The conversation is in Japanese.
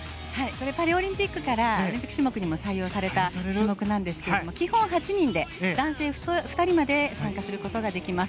パリオリンピックから正式種目にも採用された種目なんですけど基本８人で、男性２人まで参加することができます。